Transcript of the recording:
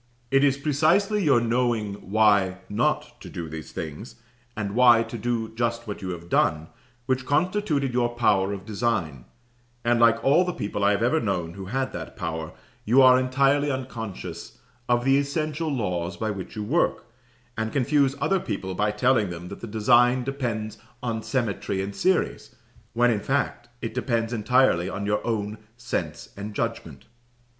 "It is precisely your knowing why not to do these things, and why to do just what you have done, which constituted your power of design; and like all the people I have ever known who had that power, you are entirely unconscious of the essential laws by which you work, and confuse other people by telling them that the design depends on symmetry and series, when, in fact, it depends entirely on your own sense and judgment."